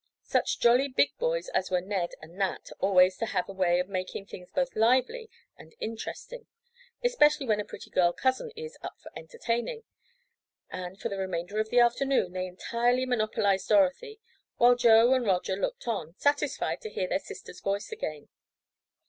Such jolly big boys as were Ned and Nat always have a way of making things both lively and interesting, especially when a pretty girl cousin is "up for entertaining" and, for the remainder of the afternoon, they entirely monopolized Dorothy, while Joe and Roger looked on, satisfied to hear their sister's voice again.